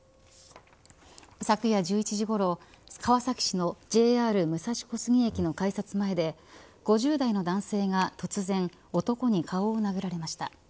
昨夜１１時ごろ川崎市のＪＲ武蔵小杉駅の改札前で５０代の男性が突然男に顔を殴られました。